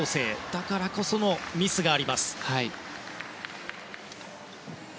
だからこそのミスがあります。